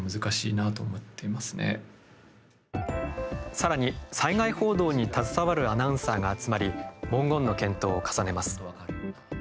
さらに、災害報道に携わるアナウンサーが集まり文言の検討を重ねます。